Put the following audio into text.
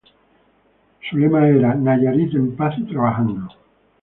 Su lema era "Nayarit en paz y trabajando".